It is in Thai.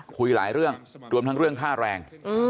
คุยหลายเรื่องรวมทั้งเรื่องค่าแรง